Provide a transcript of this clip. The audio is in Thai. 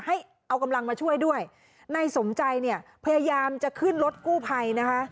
ให้เอากำลังมาช่วยด้วยนายสมใจเนี่ยพยายามจะขึ้นรถกู้ภัยนะคะ